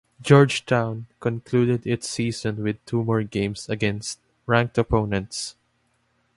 Georgetown concluded its season with two more games against ranked opponents.